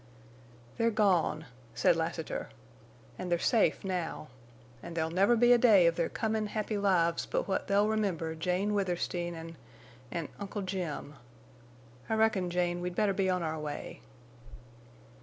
"They're gone!" said Lassiter. "An' they're safe now. An' there'll never be a day of their comin' happy lives but what they'll remember Jane Withersteen an'—an' Uncle Jim!... I reckon, Jane, we'd better be on our way."